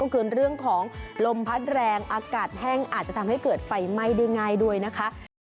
ก็คือเรื่องของลมพัดแรงอากาศแห้งอาจจะทำให้เกิดไฟไหม้ได้ง่ายด้วยนะคะ